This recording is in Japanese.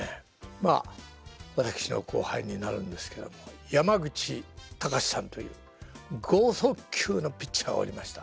まあ私の後輩になるんですけども山口高志さんという剛速球のピッチャーがおりました。